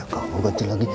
kamu ganti lagi